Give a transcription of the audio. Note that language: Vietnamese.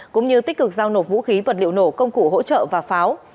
cũng như tích cực giao nộp vũ khí vật liệu nổ công cụ hỗ trợ và pháo